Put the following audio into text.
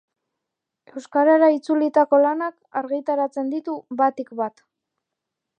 Euskarara itzulitako lanak argitaratzen ditu, batik bat.